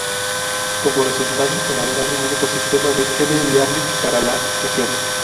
Como resultado elaboraron un ecosistema de m-learning para la región.